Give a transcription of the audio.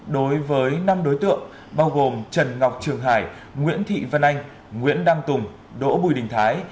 đối với năm đối tượng bao gồm trần ngọc trường hải nguyễn thị vân anh nguyễn đăng tùng đỗ bùi đình thái